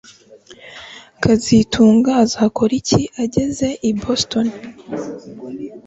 kazitunga azakora iki ageze i Boston